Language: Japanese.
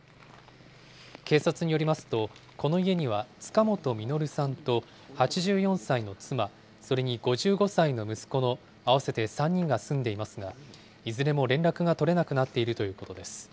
警察によりますと、この家には塚本実さんと８４歳の妻、それに５５歳の息子の合わせて３人が住んでいますが、いずれも連絡が取れなくなっているということです。